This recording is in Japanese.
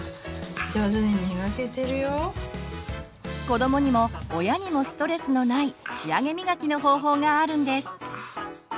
こどもにも親にもストレスのない仕上げみがきの方法があるんです。